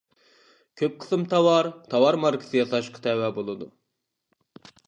كۆپ قىسىم تاۋار تاۋار ماركىسى ياساشقا تەۋە بولىدۇ.